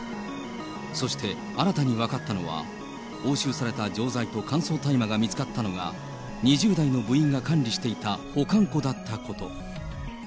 そして、新たに分かったのは、押収された錠剤と乾燥大麻が見つかったのが、２０代の部員が管理していた保管庫だったこと。